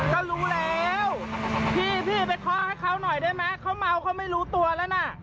ก็รู้แล้วพี่พี่ไปเคาะให้เขาหน่อยได้ไหมเขาเมาเขาไม่รู้ตัวแล้วนะ